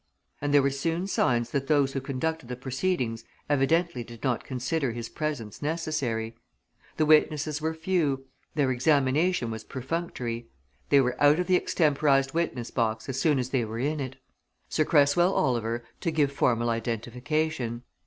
And there were soon signs that those who conducted the proceedings evidently did not consider his presence necessary. The witnesses were few; their examinations was perfunctory; they were out of the extemporised witness box as soon as they were in it. Sir Cresswell Oliver to give formal identification.